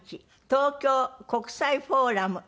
東京国際フォーラムＡ